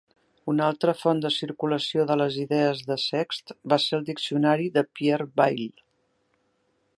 Una altra font de circulació de les idees de Sext va ser el Diccionari de Pierre Bayle.